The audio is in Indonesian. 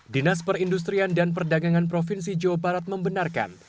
dinas perindustrian dan perdagangan provinsi jawa barat membenarkan